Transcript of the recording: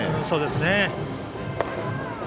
そうですね。